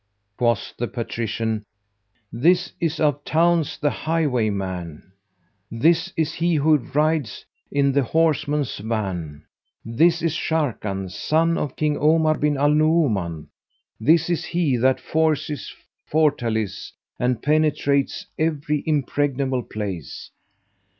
Quoth the Patrician, "This is of towns the highwayman! This is he who rideth in the horseman's van! This is Sharrkan, son of King Omar bin al Nu'uman! This is he that forceth fortalice and penetrateth every impregnable place!